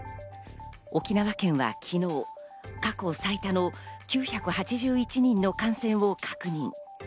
沖縄県は昨日、過去最多の９８１人の感染を確認。